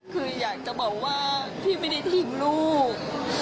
คืออยากจะบอกว่าพี่ไม่ได้ทิ้งลูก